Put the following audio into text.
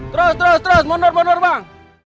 terus terus terus monor monor bang